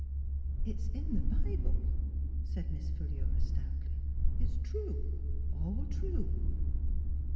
"" It's in the Bible," said Miss Philura stoutly. " It's true — all true."